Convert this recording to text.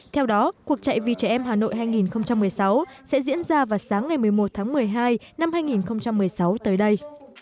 theo đó cuộc chạy vì trẻ em hà nội hai nghìn một mươi sáu sẽ diễn ra vào sáng ngày một mươi một tháng một mươi hai năm hai nghìn một mươi sáu tới đây